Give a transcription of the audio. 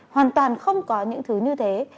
hoàn toàn không có những thứ như thế